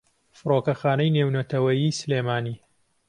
فڕۆکەخانەی نێونەتەوەییی سلێمانی